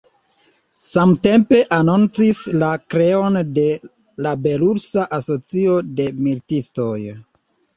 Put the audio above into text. Samtempe anoncis la kreon de la belarusa asocio de militistoj.